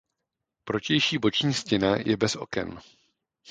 Protější boční stěna je bez oken.